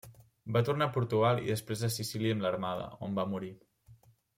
Va tornar a Portugal i després a Sicília amb l'Armada, on va morir.